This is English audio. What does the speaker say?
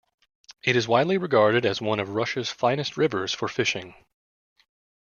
It is widely regarded as one of Russia's finest rivers for fishing.